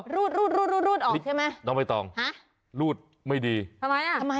รูดรูดรูดรูดออกใช่ไหม